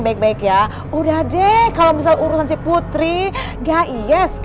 nah saya khar geldik